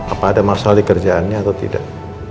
apa ada masalah di kerjaannya atau tidak